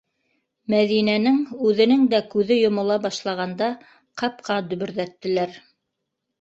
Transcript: Мәҙинәнең үҙенең дә күҙе йомола башлағанда, ҡапҡа дөбөрҙәттеләр.